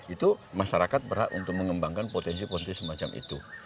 itu masyarakat berhak untuk mengembangkan potensi potensi semacam itu